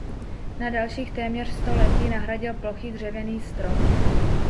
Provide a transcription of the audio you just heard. Na dalších téměř sto let ji nahradil plochý dřevěný strop.